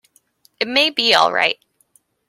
It may be all right.